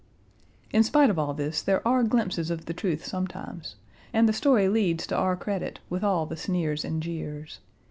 In spite of all this, there are glimpses of the truth sometimes, and the story leads to our credit with all the sneers and jeers.